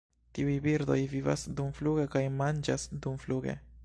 Tiuj birdoj vivas dumfluge kaj manĝas dumfluge.